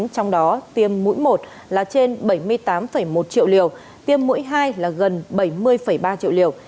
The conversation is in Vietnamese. trong đó tiêm mũi một là trên bảy mươi tám một triệu liều tiêm mũi hai là gần bảy mươi ba triệu liều